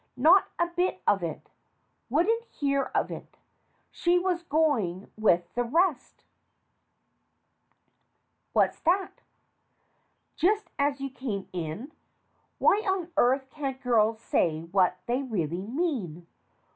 Not a bit of it. Wouldn't hear of it. She was going with the rest. THE DIFFICULT CASE 217 What's that? Just as you came in ? Why on earth can't girls say what they really mean?